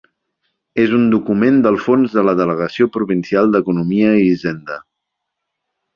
És un document del fons de la Delegació provincial d'Economia i Hisenda.